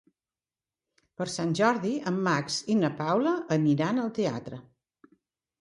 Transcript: Per Sant Jordi en Max i na Paula aniran al teatre.